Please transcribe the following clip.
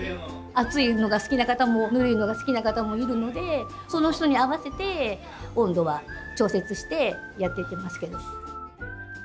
熱いのが好きな方もぬるいのが好きな方もいるのでその人に合わせて温度は調節してやってってますけど。